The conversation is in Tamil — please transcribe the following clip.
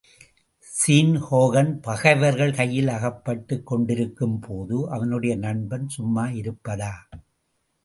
ஸீன் ஹோகன் பகைவர்கள் கையில் அகப்பட்டுக் கொண்டிருக்கும்போது, அவனுடைய நண்பன் சும்மா இருப்பதா?